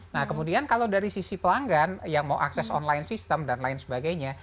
nah kemudian kalau dari sisi pelanggan yang mau akses online system dan lain sebagainya